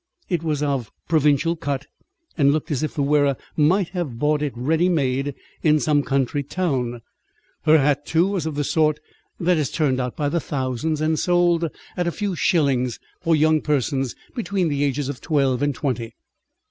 It was of provincial cut, and looked as if the wearer might have bought it ready made in some country town. Her hat, too, was of the sort that is turned out by the thousand and sold at a few shillings for young persons between the ages of twelve and twenty.